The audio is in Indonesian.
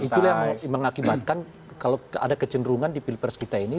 itulah yang mengakibatkan kalau ada kecenderungan di pilpres kita ini